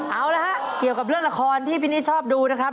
เอาละฮะเกี่ยวกับเรื่องละครที่พี่นิดชอบดูนะครับ